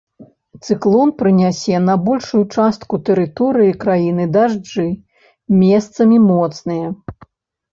Цыклон прынясе на большую частку тэрыторыі краіны дажджы, месцамі моцныя.